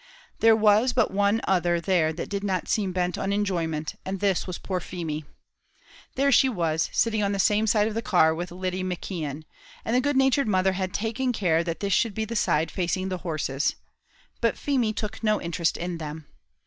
There was but one other there that did not seem bent on enjoyment, and this was poor Feemy. There she was, sitting on the same side of the car with Lyddy McKeon; and the good natured mother had taken care that this should be the side facing the horses; but Feemy took no interest in them.